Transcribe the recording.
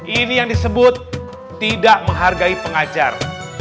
ini yang disebut tidak menghargai pengajar